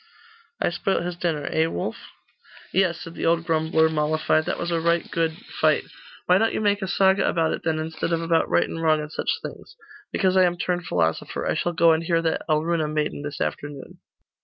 I spoilt his dinner, eh, Wulf?' 'Yes,' said the old grumbler, mollified, 'that was a right good fight.' 'Why don't you make a saga about it, then, instead of about right and wrong, and such things?' 'Because I am turned philosopher. I shall go and hear that Alruna maiden this afternoon.